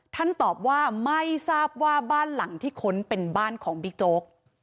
ตอบว่าไม่ทราบว่าบ้านหลังที่ค้นเป็นบ้านของบิ๊กโจ๊ก